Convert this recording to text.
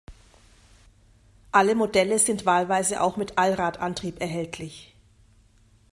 Alle Modelle sind wahlweise auch mit Allradantrieb erhältlich.